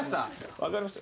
分かりました。